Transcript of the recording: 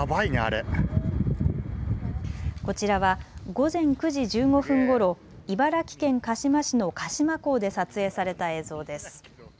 こちらは午前９時１５分ごろ茨城県鹿嶋市の鹿島港で撮影された映像です。